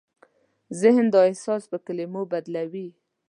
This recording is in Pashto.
ذهن دا احساس په کلمو بدلوي.